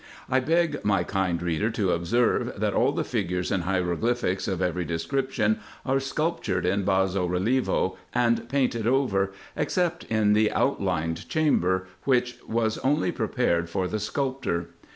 I beg my kind reader to observe, that all the figures and hieroglyphics of every description are sculptured in basso relievo, and painted over, except in the outlined chamber, winch was only prepared for the sculptor.